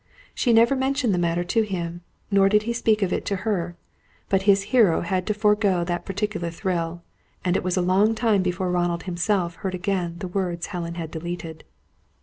She never mentioned the matter to him, nor did he speak of it to her; but his hero had to forego that particular thrill, and it was a long time before Ronald himself heard again the words Helen had deleted.